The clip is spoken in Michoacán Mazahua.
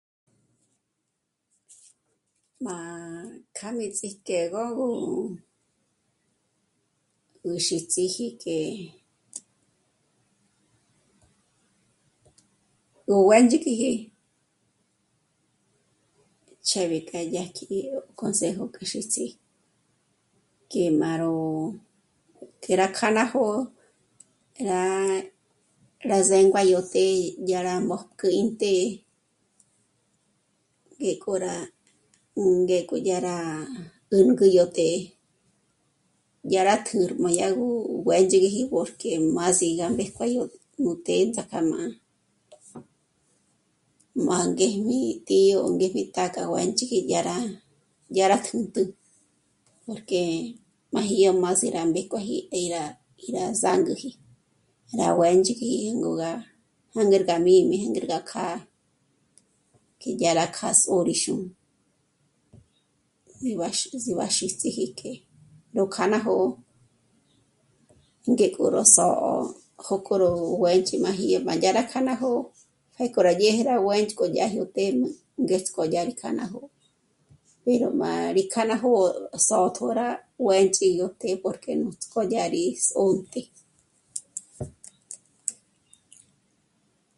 Má kja mí ts'íjke gó... gú xîts'iji que gó juêndzhikiji ch'êb'i k'edyé kji consejo k'u xíts'i kí mâ' ró que rá kja ná jó'o rá... rá zéngua yó të́'ë ya rá mójkü íntë́'ë, ngéko rá... 'ùngéko dyá rá 'ùngü yó të'ë dyá rá tjǚrmü yá rá ngú juêndzhiji rí porque má sí gá mbéjkue nú të́'ë ts'a´ka má mângejmi tío o ngéjmi tá'a k'a nguêndzhikiji yá rá tjǚntjü porque má ji rá m'áse rá mbéjkueji y rá... rá zánguaji rá juêndzhikiji gó gá jângerga jmī́mi nger gá kjâ'a que yá rá k'a sôrí xûmü. Mí ba xû, mí ba xíts'iji que ró kja ná jó'o ngéko ró só'o jókò ró juêndzhi má jí yó má dyá rá kja ná jó'o pjéko rá yéje yó juêndzhk'o yá jyó të́'ë ngéts'k'ó yá rí kjâ'a ná jó'o pero má rí kâ ná jó'o sô'tjo rá juêndzhi yo të́'ë porque nuts'k'ó dyá rí sô'te